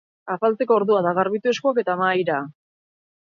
Afaltzeko ordua da, garbitu eskuak eta mahaira!